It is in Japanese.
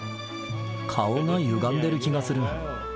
顔がゆがんでいる気がする。